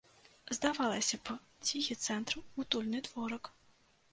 Здавалася б, ціхі цэнтр, утульны дворык.